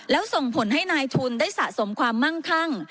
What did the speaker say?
แล้วส่งผลให้นายทุนได้สะสมความมั่งคั่ง